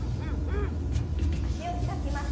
脚を開きます。